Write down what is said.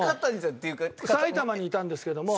埼玉にいたんですけども。